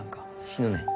死ぬねん。